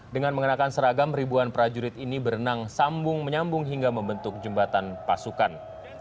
dengan mengenakan seragam ribuan prajurit ini berenang sambung menyambung hingga membentuk jembatan pasukan